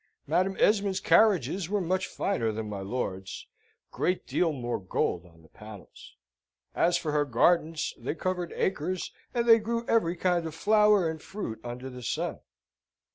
Madam Esmond's carriages were much finer than my lord's, great deal more gold on the panels. As for her gardens, they covered acres, and they grew every kind of flower and fruit under the sun.